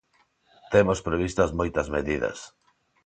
Temos previstas moitas medidas.